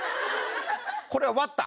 これは割った。